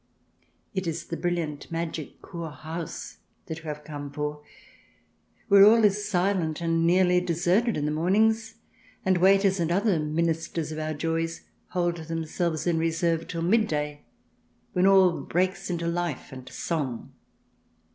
It is the brilliant magic Kur Haus that you have come for, where all is silent and nearly deserted in the mornings, and waiters and other ministers of our joys hold them selves in reserve till midday, when all breaks into life and song.